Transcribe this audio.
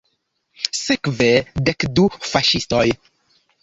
Sekve, dek du faŝistoj.